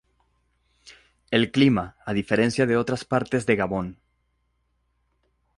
El clima a diferencia de otras partes de Gabón.